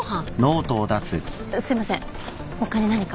すいません他に何か？